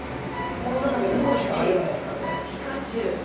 この中で２個しか入らないですからね。